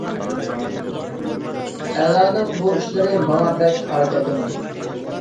ئەلانىڭ بۇ ئىشلىرى ماڭا بەك ھار كەلگەن ئىدى.